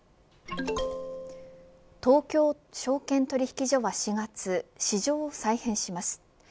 東京証券取引所は４月市場を再編します。